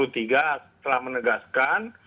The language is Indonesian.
empat puluh tiga telah menegaskan